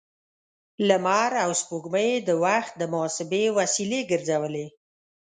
لمر او سپوږمۍ يې د وخت د محاسبې وسیلې ګرځولې.